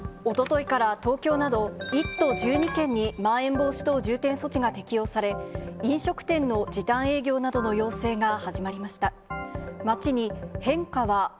おとといから東京など、１都１２県にまん延防止等重点措置が適用され、飲食店の時短営業などの要請が始まりました。